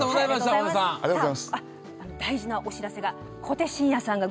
大事なお知らせが。